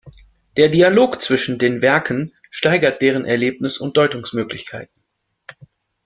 Der Dialog zwischen den Werken steigert deren Erlebnis- und Deutungsmöglichkeiten.